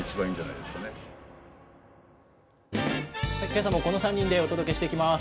けさもこの３人でお届けしていきます。